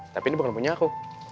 tapi ini bukan punya aku